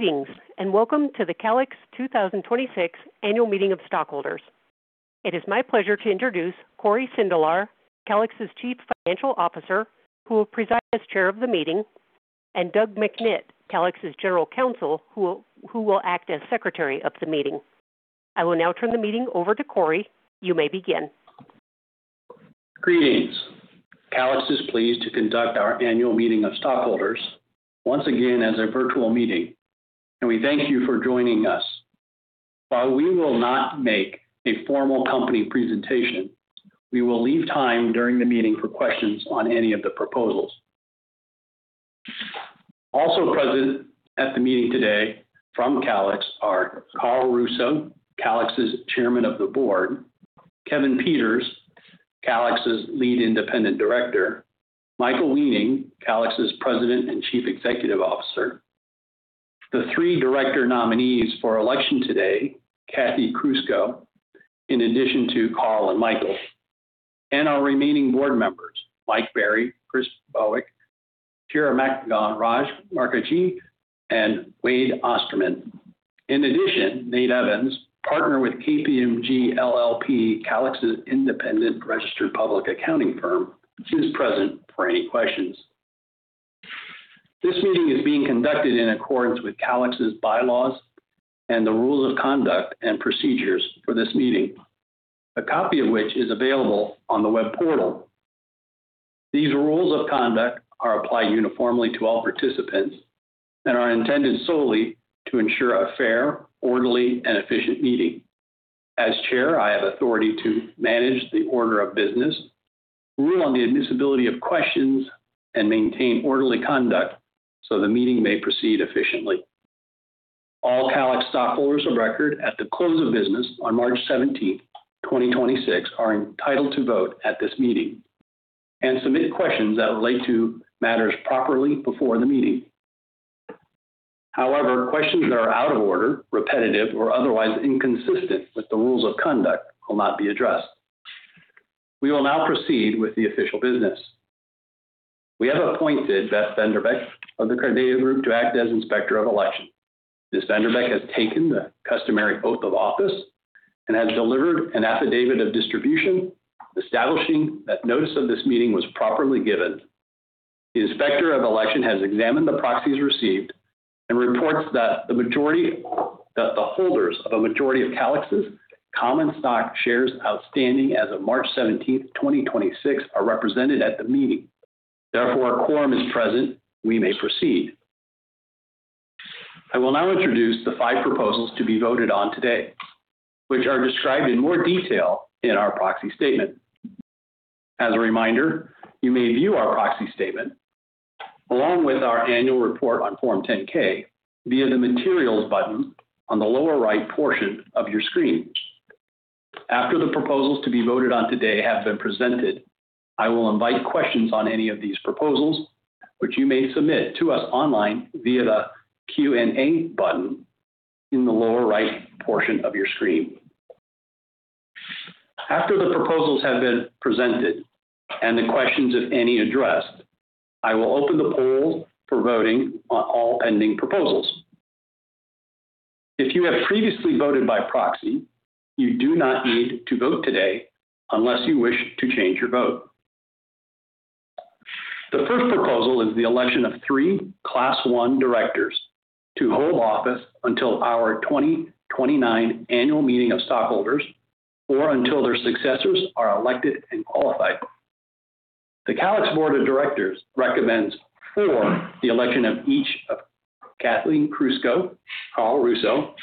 Greetings, welcome to the Calix 2026 annual meeting of stockholders. It is my pleasure to introduce Cory Sindelar, Calix's Chief Financial Officer, who will preside as chair of the meeting, and Doug McNitt, Calix's General Counsel, who will act as secretary of the meeting. I will now turn the meeting over to Cory. You may begin. Greetings. Calix is pleased to conduct our annual meeting of stockholders once again as a virtual meeting, and we thank you for joining us. While we will not make a formal company presentation, we will leave time during the meeting for questions on any of the proposals. Also present at the meeting today from Calix are Carl Russo, Calix's Chairman of the Board, Kevin Peters, Calix's Lead Independent Director, Michael Weening, Calix's President and Chief Executive Officer, the three director nominees for election today, Kathy Crusco, in addition to Carl and Michael, and our remaining board members, Mike Berry, Chris Bowick, Kira Makagon, Raj Mukherjee, and Wade Oosterman. In addition, Nate Evans, partner with KPMG LLP, Calix's independent registered public accounting firm is present for any questions. This meeting is being conducted in accordance with Calix's bylaws and the rules of conduct and procedures for this meeting, a copy of which is available on the web portal. These rules of conduct are applied uniformly to all participants and are intended solely to ensure a fair, orderly, and efficient meeting. As chair, I have authority to manage the order of business, rule on the admissibility of questions, and maintain orderly conduct so the meeting may proceed efficiently. All Calix stockholders of record at the close of business on March 17th, 2026 are entitled to vote at this meeting and submit questions that relate to matters properly before the meeting. However, questions that are out of order, repetitive, or otherwise inconsistent with the rules of conduct will not be addressed. We will now proceed with the official business. We have appointed Beth VanDerbeck of The Carideo Group to act as Inspector of Election. Ms. VanDerbeck has taken the customary oath of office and has delivered an affidavit of distribution establishing that notice of this meeting was properly given. The Inspector of Election has examined the proxies received and reports that the holders of a majority of Calix's common stock shares outstanding as of March 17th, 2026 are represented at the meeting. Therefore, a quorum is present. We may proceed. I will now introduce the five proposals to be voted on today, which are described in more detail in our proxy statement. As a reminder, you may view our proxy statement along with our annual report on Form 10-K via the Materials button on the lower right portion of your screen. After the proposals to be voted on today have been presented, I will invite questions on any of these proposals, which you may submit to us online via the Q&A button in the lower right portion of your screen. After the proposals have been presented and the questions, if any, addressed, I will open the poll for voting on all pending proposals. If you have previously voted by proxy, you do not need to vote today unless you wish to change your vote. The first proposal is the election of three Class one Directors to hold office until our 2029 annual meeting of stockholders or until their successors are elected and qualified. The Calix Board of Directors recommends for the election of each of Kathleen Crusco, Carl Russo,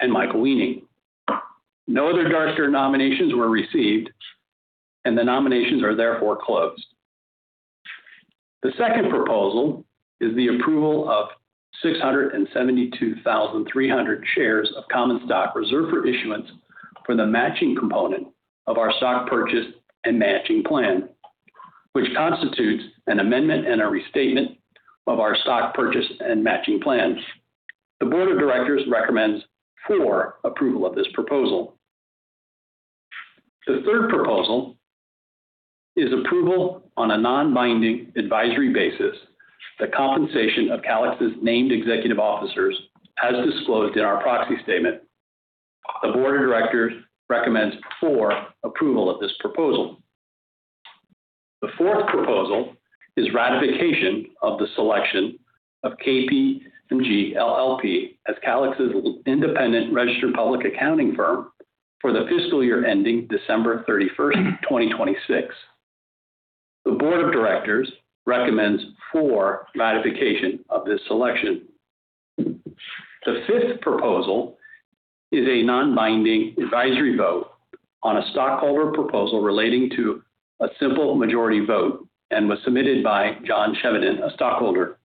and Michael Weening. No other director nominations were received, and the nominations are therefore closed. The second proposal is the approval of 672,300 shares of common stock reserved for issuance for the matching component of our stock purchase and matching plan, which constitutes an amendment and a restatement of our stock purchase and matching plans. The board of directors recommends for approval of this proposal. The third proposal is approval on a non-binding advisory basis the compensation of Calix's named executive officers as disclosed in our proxy statement. The board of directors recommends for approval of this proposal. The fourth proposal is ratification of the selection of KPMG LLP as Calix's independent registered public accounting firm for the fiscal year ending December 31st, 2026. The board of directors recommends for ratification of this selection. The fifth proposal is a non-binding advisory vote on a stockholder proposal relating to a simple majority vote and was submitted by John Chevedden, a stockholder.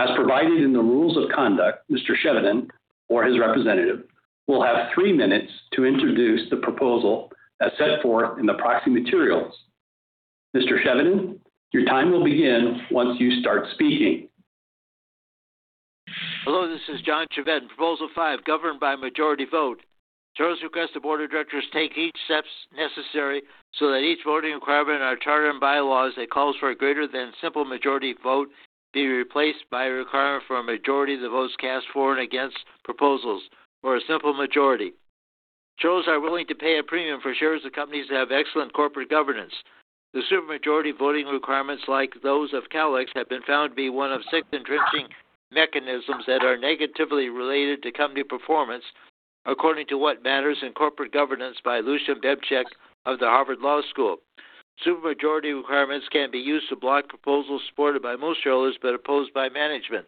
As provided in the rules of conduct, Mr. Chevedden or his representative will have three minutes to introduce the proposal as set forth in the proxy materials. Mr. Chevedden, your time will begin once you start speaking. Hello, this is John Chevedden. Proposal five, governed by majority vote. Shareholders request the board of directors take each steps necessary so that each voting requirement in our charter and bylaws that calls for a greater than simple majority vote be replaced by a requirement for a majority of the votes cast for and against proposals or a simple majority. Shareholders are willing to pay a premium for shares of companies that have excellent corporate governance. The super majority voting requirements like those of Calix have been found to be one of six entrenching mechanisms that are negatively related to company performance according to What Matters in Corporate Governance by Lucian Bebchuk of the Harvard Law School. Super majority requirements can be used to block proposals supported by most shareholders but opposed by management.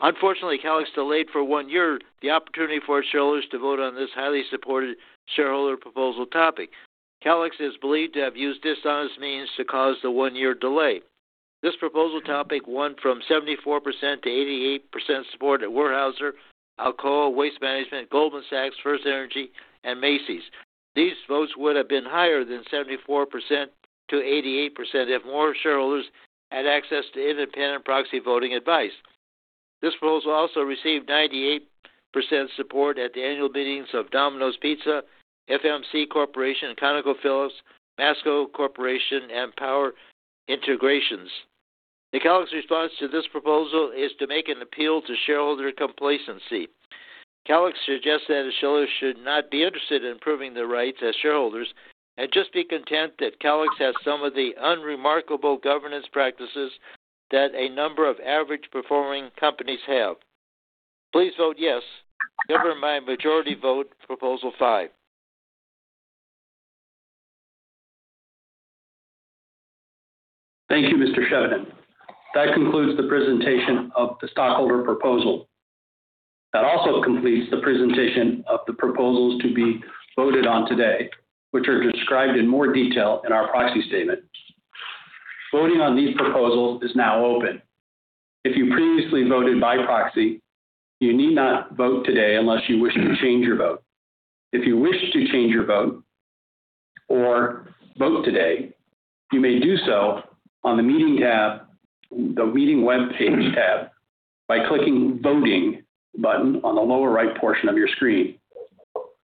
Unfortunately, Calix delayed for one year the opportunity for its shareholders to vote on this highly supported shareholder proposal topic. Calix is believed to have used dishonest means to cause the one-year delay. This proposal topic won from 74%-88% support at Weyerhaeuser, Alcoa, Waste Management, Goldman Sachs, FirstEnergy and Macy's. These votes would have been higher than 74%-88% if more shareholders had access to independent proxy voting advice. This proposal also received 98% support at the annual meetings of Domino's Pizza, FMC Corporation, ConocoPhillips, Masco Corporation, and Power Integrations. The Calix response to this proposal is to make an appeal to shareholder complacency. Calix suggests that a shareholder should not be interested in improving their rights as shareholders and just be content that Calix has some of the unremarkable governance practices that a number of average performing companies have. Please vote yes. Never mind majority vote proposal five. Thank you, Mr. Chevedden. That concludes the presentation of the stockholder proposal. That also completes the presentation of the proposals to be voted on today, which are described in more detail in our proxy statement. Voting on these proposals is now open. If you previously voted by proxy, you need not vote today unless you wish to change your vote. If you wish to change your vote or vote today, you may do so on the meeting tab, the meeting webpage tab by clicking Voting button on the lower right portion of your screen.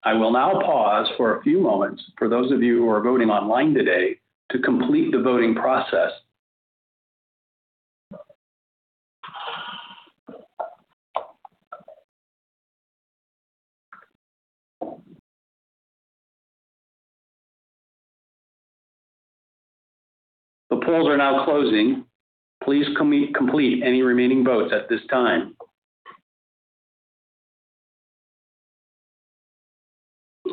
I will now pause for a few moments for those of you who are voting online today to complete the voting process. The polls are now closing. Please complete any remaining votes at this time. It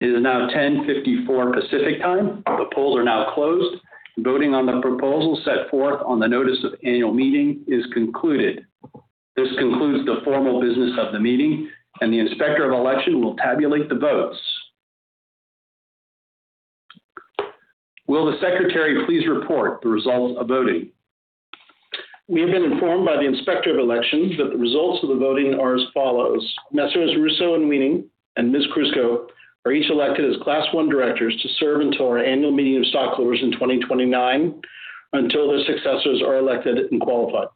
is now 10:54 A.M. Pacific Time. The polls are now closed. Voting on the proposal set forth on the notice of annual meeting is concluded. This concludes the formal business of the meeting, and the inspector of election will tabulate the votes. Will the secretary please report the results of voting? We have been informed by the Inspector of Election that the results of the voting are as follows: Messrs. Russo and Weening and Ms. Crusco are each elected as Class one directors to serve until our annual meeting of stockholders in 2029, until their successors are elected and qualified.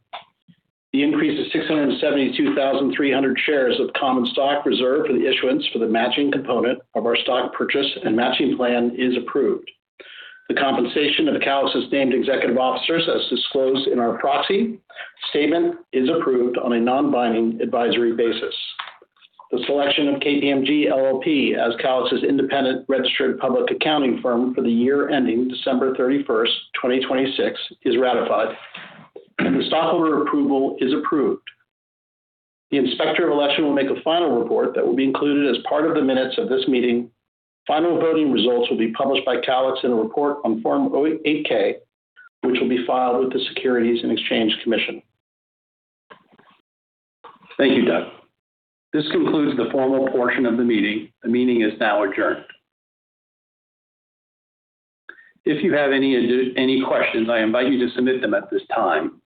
The increase of 672,300 shares of common stock reserved for the issuance for the matching component of our stock purchase and matching plan is approved. The compensation of Calix's named executive officers, as disclosed in our proxy statement, is approved on a non-binding advisory basis. The selection of KPMG LLP as Calix's independent registered public accounting firm for the year ending December 31st, 2026, is ratified. The stockholder approval is approved. The Inspector of Election will make a final report that will be included as part of the minutes of this meeting. Final voting results will be published by Calix in a report on Form 8-K, which will be filed with the Securities and Exchange Commission. Thank you, Doug. This concludes the formal portion of the meeting. The meeting is now adjourned. If you have any questions, I invite you to submit them at this time.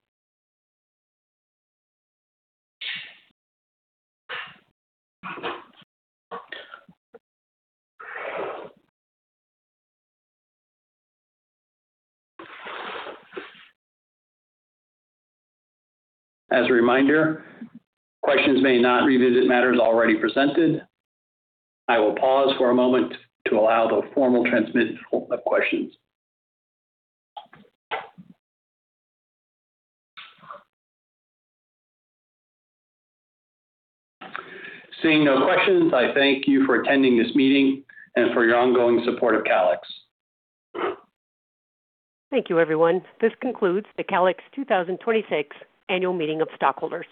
As a reminder, questions may not revisit matters already presented. I will pause for a moment to allow the formal transmit of questions. Seeing no questions, I thank you for attending this meeting and for your ongoing support of Calix. Thank you, everyone. This concludes the Calix 2026 annual meeting of stockholders.